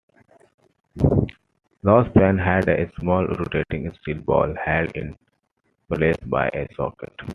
Loud's pen had a small rotating steel ball, held in place by a socket.